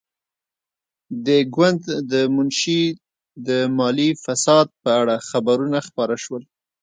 د ګوند د منشي د مالي فساد په اړه خبرونه خپاره شول.